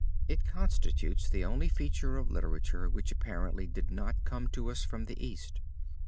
It constitutes the only feature of literature which apparently did not come to us from the East.